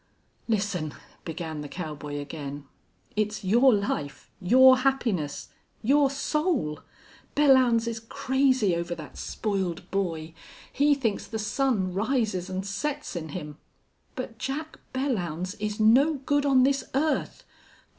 "Listen," began the cowboy again. "It's your life your happiness your soul.... Belllounds is crazy over that spoiled boy. He thinks the sun rises and sets in him.... But Jack Belllounds is no good on this earth!